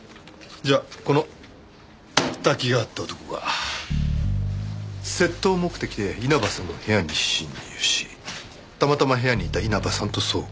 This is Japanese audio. じゃあこの瀧川って男が窃盗目的で稲葉さんの部屋に侵入したまたま部屋にいた稲葉さんと遭遇。